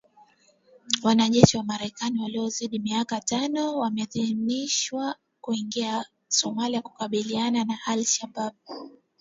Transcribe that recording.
Wanajeshi wa Marekani wasiozidi miaka tano wameidhinishwa kuingia Somalia kukabiliana na Al Shabaab